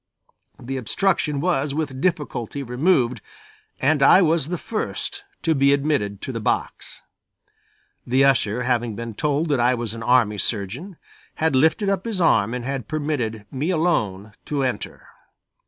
The obstruction was with difficulty removed and I was the first to be admitted to the box. The usher having been told that I was an army surgeon, had lifted up his arm and had permitted me alone to enter.